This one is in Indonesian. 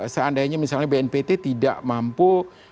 seandainya misalnya bnpt tidak mampu